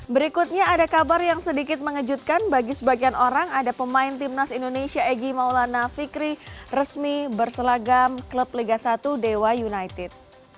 berikutnya ada kabar yang sedikit mengejutkan bagi sebagian orang ada pemain timnas indonesia egy maulana fikri resmi berselagam klub liga satu dewa united